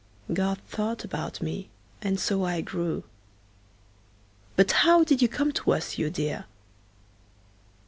God thought about me, and so I grew. But how did you come to us, you dear?